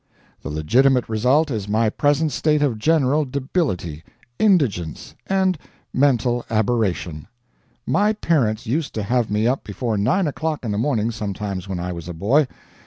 The legitimate result is my present state of general debility, indigence, and mental aberration. My parents used to have me up before nine o'clock in the morning sometimes when I was a boy.